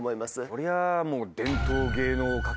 そりゃもう。